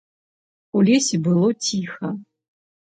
У лесе было ціха.